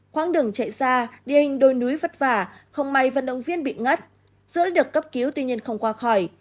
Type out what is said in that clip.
khoảng đường chạy xa đi hình đôi núi vất vả không may vận động viên bị ngất dù đã được cấp cứu tuy nhiên không qua khỏi